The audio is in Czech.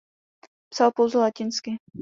Psal pouze latinsky.